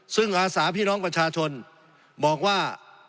ซึ่งอาสาพี่น้องประชาชนบอกว่า